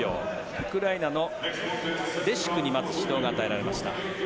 ウクライナのレシュクにまず指導が与えられました。